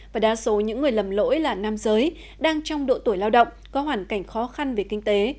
và đa số những người lầm lỗi là nam giới đang trong độ tuổi lao động có hoàn cảnh khó khăn về kinh tế